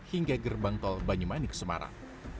hingga gerbang tol banyemani ke semarang